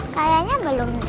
kayaknya belum deh